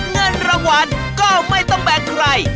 เงินรางวัลก็ไม่ต้องแบ่งใคร